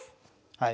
はい。